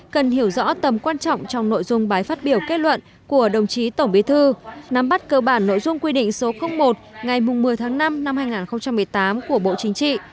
cần hiểu rõ tầm quan trọng trong nội dung bài phát biểu kết luận của đồng chí tổng bí thư nắm bắt cơ bản nội dung quy định số một ngày một mươi tháng năm năm hai nghìn một mươi tám của bộ chính trị